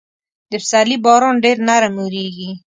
د پسرلي باران ډېر نرم اورېږي.